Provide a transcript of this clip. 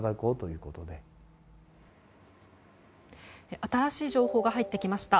新しい情報が入ってきました。